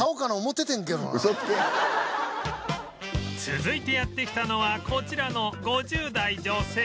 続いてやって来たのはこちらの５０代女性